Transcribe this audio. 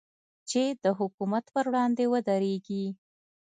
چې د حکومت پر وړاندې ودرېږي.